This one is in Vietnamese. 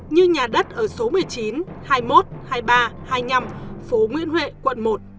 như nhà đất ở số một mươi chín hai mươi một hai mươi ba hai mươi năm phố nguyễn huệ quận một